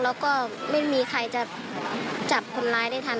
แล้วก็ไม่มีใครจะจับคนร้ายได้ทัน